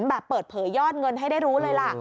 แบบเปิดเผยยอดเงินให้ได้รู้เลยล่ะ